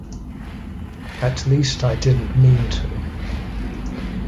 At least I didn’t mean to.